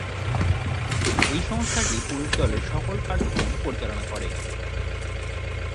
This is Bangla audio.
এই সংস্থাটি পুরুষ দলের সকল কার্যক্রম পরিচালনা করে।